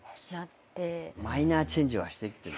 マイナーチェンジはしていってる。